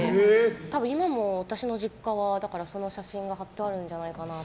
多分、今も私の実家はその写真が貼ってあるんじゃないかな。